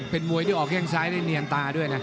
เป็นมวยที่ออกแข้งซ้ายได้เนียนตาด้วยนะ